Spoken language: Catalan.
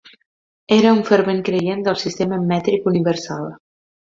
Era un fervent creient del sistema mètric universal.